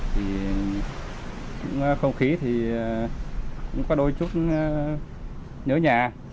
thì cũng không khí thì cũng có đôi chút nhớ nhà